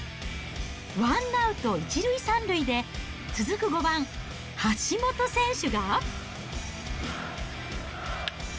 ワンアウト１塁３塁で、続く５番橋本選手が。